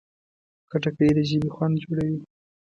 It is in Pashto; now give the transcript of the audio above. خټکی د ژبې خوند جوړوي.